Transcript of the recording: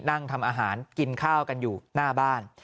นั่งทำอาหารกินข้าวกันอยู่หน้าบ้าน